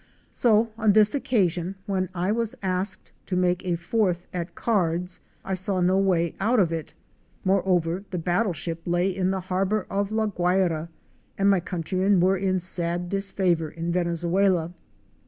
So on this occasion when I was asked to make a fourth at cards, I saw no way out of it. Moreover, the battle ship lay in the harbor of La Guayra, and my countrymen were in sad disfavor in Venezuela.